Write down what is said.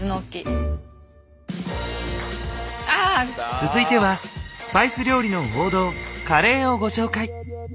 続いてはスパイス料理の王道カレーをご紹介。